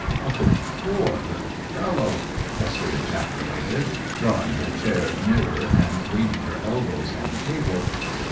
"O poor little fellow!" Hester ejaculated, drawing her chair nearer and leaning her elbows on the table.